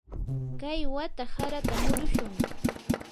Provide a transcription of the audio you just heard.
kay wata harata murushun.